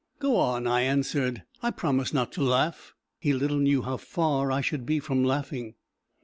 "Go on," I answered; "I promise not to laugh." He little knew how far I should be from laughing.